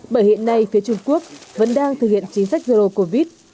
bởi hiện nay phía trung quốc vẫn đang thực hiện chính sách zero covid